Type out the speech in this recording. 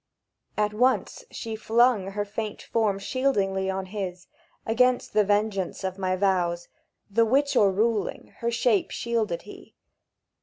... At once she flung her faint form shieldingly On his, against the vengeance of my vows; The which o'erruling, her shape shielded he.